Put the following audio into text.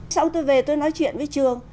xong tôi về tôi nói chuyện với trường